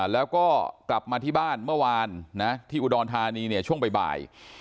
แล้วก็กลับมาที่บ้านเมื่อวานที่อุดรธานีเนี่ยช่วงบ่าย